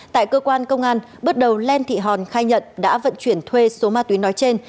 tại cơ quan công an bước đầu lê thị hòn khai nhận đã vận chuyển thuê số ma túy nói trên